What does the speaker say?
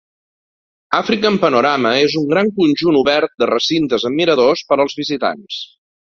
African Panorama és un gran conjunt obert de recintes amb miradors per als visitants.